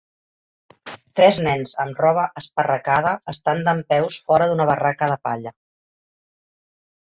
Tres nens amb roba esparracada estan dempeus fora d'una barraca de palla.